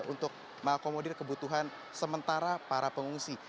untuk mengakomodir kebutuhan sementara para pengungsi